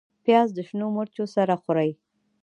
پیاز د شنو مرچو سره ښه خوري